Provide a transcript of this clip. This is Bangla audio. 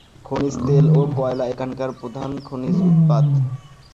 খনিজ তেল ও কয়লা এখানকার প্রধান খনিজ উৎপাদ।